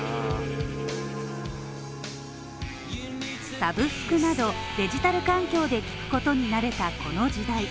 サブスクなどデジタル環境で聴くことに慣れたこの時代。